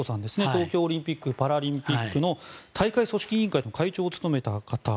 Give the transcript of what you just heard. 東京オリンピック・パラリンピックの大会組織委員会の会長を務めた方。